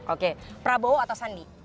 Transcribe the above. oke prabowo atau sandi